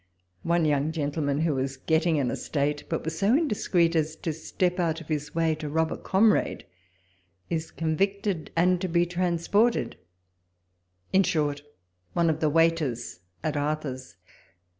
One young gentleman, who was getting an estate, but was so indiscreet as to step out of his way to rob a comrade, is con victed, and to be transported ; in short, one of the waiters at Arthur's.